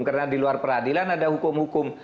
karena di luar peradilan ada hukum hukum